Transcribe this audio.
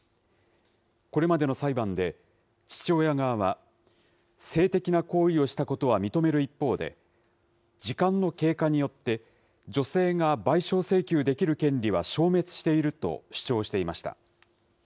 これまでの裁判で、父親側は、性的な行為をしたことは認める一方で、時間の経過によって、女性が賠償請求できる権利は消滅していると主張していました。